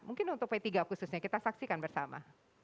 mungkin untuk p tiga khususnya kita saksikan bersama